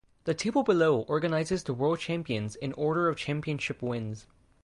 The table below organises the world champions in order of championship wins.